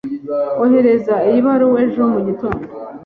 Ohereza iyi baruwa ejo mu gitondo.